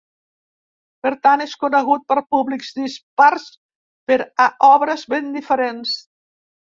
Per tant, és conegut per públics dispars per a obres ben diferents.